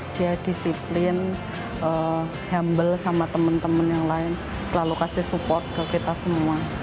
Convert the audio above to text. dia disiplin humble sama teman teman yang lain selalu kasih support ke kita semua